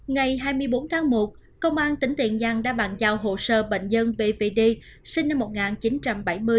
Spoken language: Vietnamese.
ngày hai mươi bốn tháng một công an tỉnh tiền giang đã bàn giao hồ sơ bệnh nhân pvd sinh năm một nghìn chín trăm bảy mươi